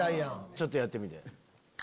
ちょっとやってみて。